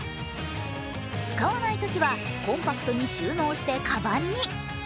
使わないときはコンパクトに収納して、かばんに。